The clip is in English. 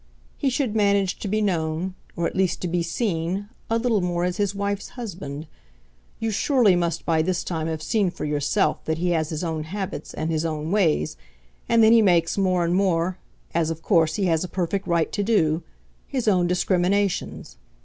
He should manage to be known or at least to be seen a little more as his wife's husband. You surely must by this time have seen for yourself that he has his own habits and his own ways, and that he makes, more and more as of course he has a perfect right to do his own discriminations.